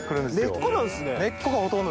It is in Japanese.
根っこなんすね。